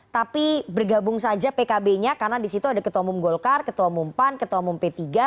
tapi bergabung saja pkb nya karena disitu ada ketua umum golkar ketua umum pan ketua umum p tiga